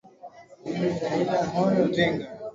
bajeti yake iwe imara na isitegemee sana wafadhili